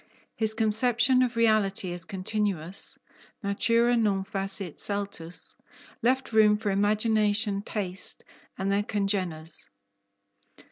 His conception of reality as continuous (natura non facit saltus) left room for imagination, taste, and their congeners.